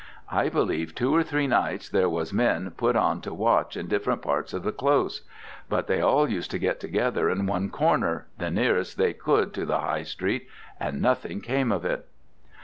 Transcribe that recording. I believe two or three nights there was men put on to watch in different parts of the Close; but they all used to get together in one corner, the nearest they could to the High Street, and nothing came of it.